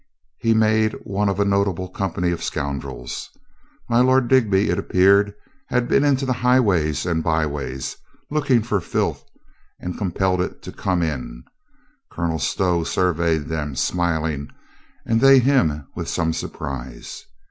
He made one of a notable company of scoundrels. My Lord Digby, it ap peared, had been into the highways and byways, looking for filth and compelled it to come in. Colonel Stow surveyed them, smiling, and they him with some surprise.